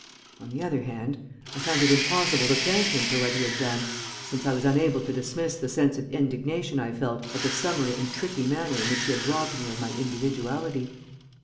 On the other hand, I found it impossible to thank him for what he had done, since I was unable to dismiss the sense of indignation I felt at the summary and tricky manner in which he had robbed me of my individuality.